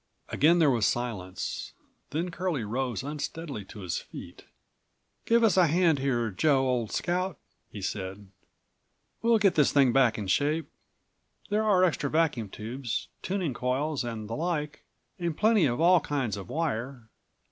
Again there was silence. Then Curlie rose unsteadily to his feet. "Give us a hand here, Joe, old scout," he said. "We'll get this thing back in shape. There are extra vacuum tubes, tuning coils and the like, and plenty of all kinds of wire.